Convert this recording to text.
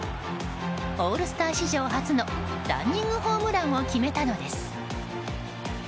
オールスター史上初のランニングホームランを決めたのです。